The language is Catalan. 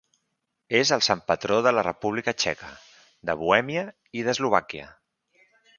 És el sant patró de la República Txeca, de Bohèmia i d'Eslovàquia.